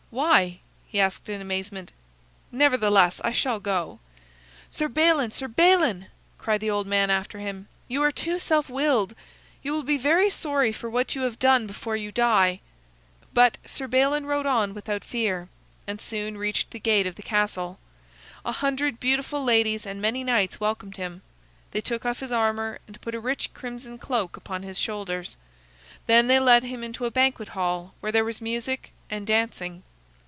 "Why?" he asked in amazement. "Nevertheless, I shall go." "Sir Balin, Sir Balin!" cried the old man after him, "you are too self willed. You will be very sorry for what you have done before you die." But Sir Balin rode on without fear, and soon reached the gate of the castle. A hundred beautiful ladies and many knights welcomed him. They took off his armor and put a rich crimson cloak upon his shoulders. Then they led him into a banquet hall where there was music and dancing.